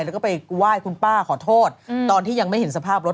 แล้วก็ไปไหว้คุณป้าขอโทษตอนที่ยังไม่เห็นสภาพรถ